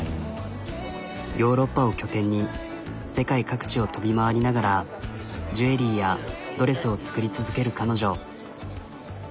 ヨーロッパを拠点に世界各地を飛び回りながらジュエリーやドレスを作り続ける彼女。